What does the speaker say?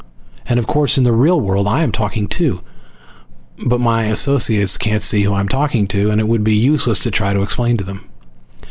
And of course in the real world I am talking too, but my associates can't see who I'm talking to, and it would be useless to try to explain to them.